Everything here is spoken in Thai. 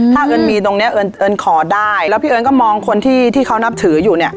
ถ้าเอิ้นมีตรงนี้เอิญขอได้แล้วพี่เอิญก็มองคนที่เขานับถืออยู่เนี่ย